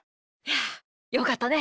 よかったね。